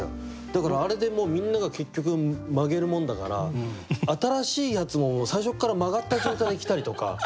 だからあれでもうみんなが結局曲げるもんだから新しいやつも最初から曲がった状態で来たりとか。